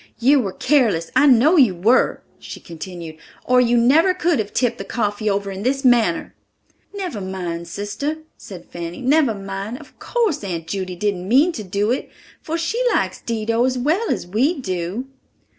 "You were careless, I know you were," she continued, "or you never could have tipped the coffee over in this manner." "Never mind, sister," said Fanny, "never mind; of course, Aunt Judy didn't mean to do it, for she likes Dido as well as we do."